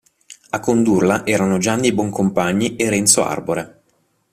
A condurla erano Gianni Boncompagni e Renzo Arbore.